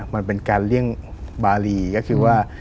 มันเป็นการเลี่ยงบารีก็คือว่า